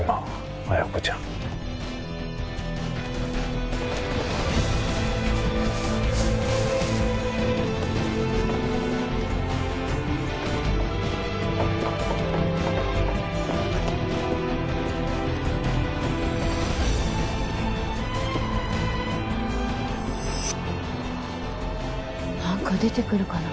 今彩子ちゃん何か出てくるかな？